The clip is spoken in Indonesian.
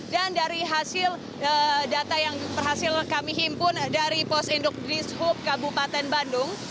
dan dari hasil data yang berhasil kami himpun dari pos induk dishub kabupaten bandung